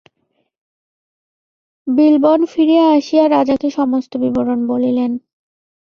বিল্বন ফিরিয়া আসিয়া রাজাকে সমস্ত বিবরণ বলিলেন।